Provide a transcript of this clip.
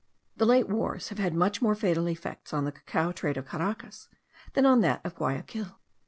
The late wars have had much more fatal effects on the cacao trade of Caracas than on that of Guayaquil.